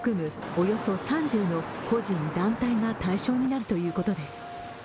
およそ３０の個人・団体が対象になるということです。